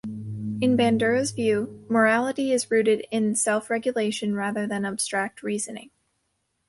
In Bandura's view, morality is rooted in self-regulation rather than abstract reasoning.